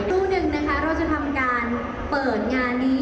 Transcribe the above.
ตู้นึงนะคะเราจะทำการเปิดงานนี้